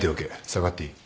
下がっていい。